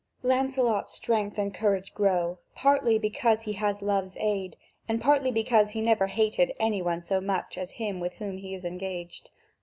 Lancelot's strength and courage grow, partly because he has love's aid, and partly because he never hated any one so much as him with whom he is engaged.